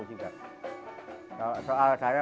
soal saya memegangnya